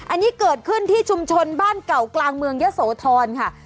อันนี้เกิดขึ้นที่ชุมชนบ้านเก่ากลางเมืองยะโสธรค่ะ